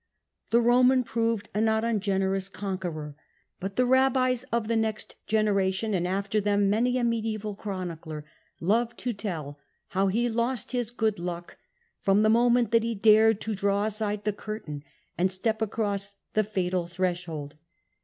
The lioman proved a not un generous conqueror : but the rabbis of the next generation, and after them many a mediaeval chronicler, loved to tell how he lost his good luck from the moment that he dared to draw aside the curtain and step across the fatal thres hold.